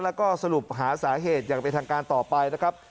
แล้วก็สรุปหาสาเหตุอย่างเป็นทางการต่อไปนะครับ